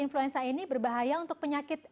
influenza ini berbahaya untuk penyakit